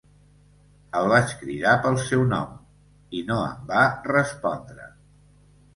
El vaig cridar pel seu nom, i no em va respondre.